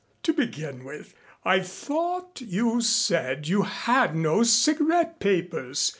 To begin with I thought you said you had no cigarette papers.